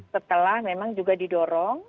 setelah memang juga didorong